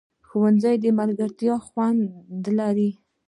ښوونځی د ملګرتیا خوند لري